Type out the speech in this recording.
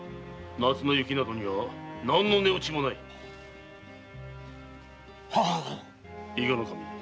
夏の雪などには何の値打ちもない伊賀守